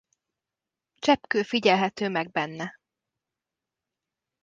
Cseppkő figyelhető meg benne.